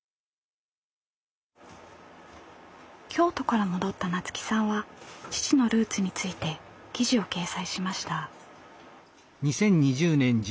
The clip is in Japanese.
京都から戻った菜津紀さんは父のルーツについて記事を掲載しました。